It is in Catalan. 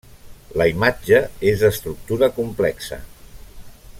La imatge és d'estructura complexa.